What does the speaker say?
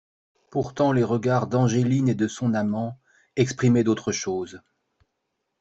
Pourtant les regards d'Angeline et de son amant exprimaient d'autres choses.